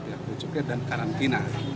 pihak bnjk dan karantina